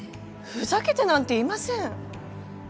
ふざけてなんていません。